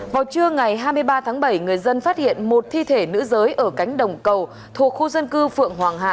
vào trưa ngày hai mươi ba tháng bảy người dân phát hiện một thi thể nữ giới ở cánh đồng cầu thuộc khu dân cư phượng hoàng hạ